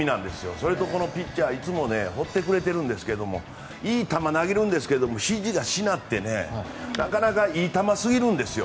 それと、このピッチャーいつもやってくれるんですけどいい球を投げるんですけどなかなかいい球すぎるんです。